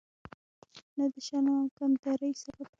نه د شرم او کمترۍ سبب.